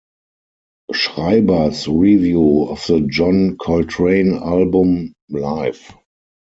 Schreiber's review of the John Coltrane album Live!